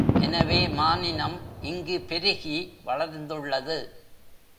எனவே மானினம் இங்கு பெருகி வளர்ந்துள்ளது.